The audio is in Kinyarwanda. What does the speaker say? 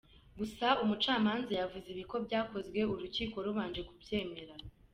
Gusa Umucamanza yavuze ibi ko byakozwe urukiko rubanje kubyemera.